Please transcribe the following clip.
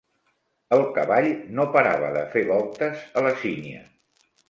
El cavall no parava de fer voltes a la sínia.